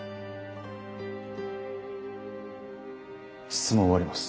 質問を終わります。